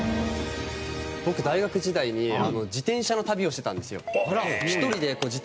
僕大学時代に自転車の旅をしてたんですよ。